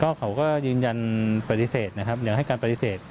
เขาก็ยืนยันปฏิเสธนะครับเดี๋ยวให้การปฏิเสธ